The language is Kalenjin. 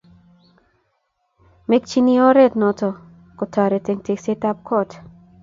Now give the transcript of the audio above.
mekchini oret noto kotorit eng' teksetab koot.